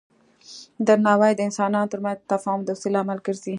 درناوی د انسانانو ترمنځ د تفاهم او دوستی لامل ګرځي.